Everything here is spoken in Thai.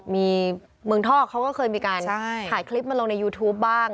มีเมืองทอกเขาก็เคยมีการถ่ายคลิปมาลงในยูทูปบ้าง